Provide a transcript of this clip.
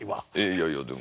いやいやでも。